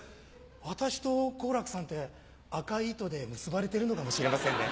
私と好楽さんって赤い糸で結ばれてるのかもしれませんね。